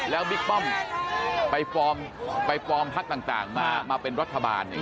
แล้วบิ๊กป้อมไปฟอร์มพักต่างมาเป็นรัฐบาล